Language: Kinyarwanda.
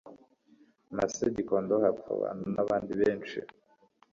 MasseGikondo hapfa abantu n abandi benshi